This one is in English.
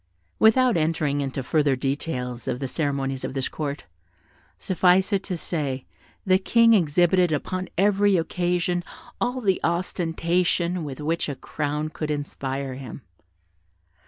Without entering into further details of the ceremonies of this court, suffice it to say, the King exhibited upon every occasion all the ostentation with which a crown could inspire him.